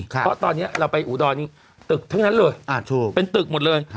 เพราะตอนนี้เราไปอุดรนี้ตึกทั้งนั้นเลยเป็นตึกหมดเลย